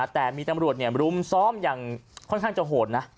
แต่มีตำรวจรุมซ้อมอย่างค่อนข้างจะโหดนะ